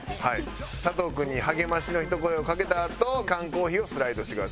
君に励ましのひと声をかけたあと缶コーヒーをスライドしてください。